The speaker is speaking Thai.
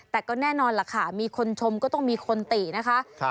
แต่ก็แน่นอนล่ะค่ะมีคนชมก็ต้องมีคนตินะคะ